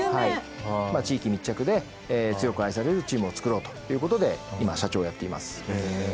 地域密着で強く愛されるチームを作ろうという事で今社長をやっています。